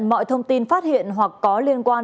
mọi thông tin phát hiện hoặc có liên quan